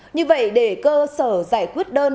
như vậy để cơ sở giải quyết đơn